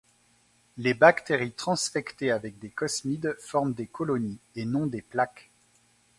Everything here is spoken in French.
Les bactéries transfectées avec des cosmides forment des colonies, et non des plaques.